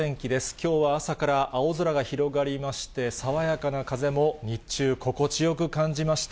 きょうは朝から青空が広がりまして、爽やかな風も日中、心地よく感じました。